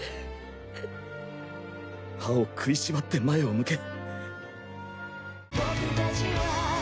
歯を食いしばって前を向け。